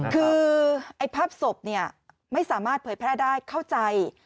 คือไอ้ภาพศพไม่สามารถเผยแพร่ได้เข้าใจ